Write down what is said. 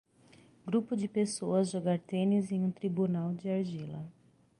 Grupo de pessoas jogar tênis em um tribunal de argila.